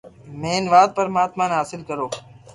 مين وات پرماتما ني حاصل ڪرو